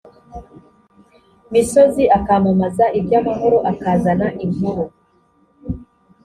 misozi akamamaza iby amahoro akazana inkuru